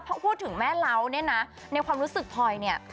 พอพูดถึงแม่เล้าเนี่ยนะในความรู้สึกพลอยเนี่ย